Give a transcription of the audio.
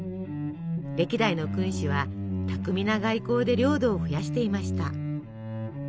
歴代の君主は巧みな外交で領土を増やしていました。